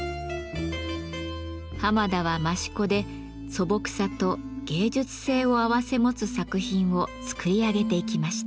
濱田は益子で素朴さと芸術性を併せ持つ作品を作り上げていきました。